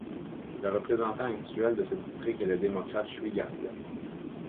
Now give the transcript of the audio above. Le représentant actuel de ce district est le démocrate Chuy Garcia.